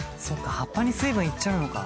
葉っぱに水分いっちゃうのか。